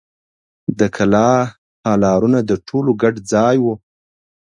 د کلا تالارونه د ټولو ګډ ځای و.